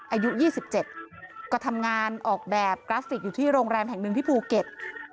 อายุ๒๗ก็ทำงานออกแบบกราฟิกอยู่ที่โรงแรมแห่งหนึ่งที่ภูเก็ต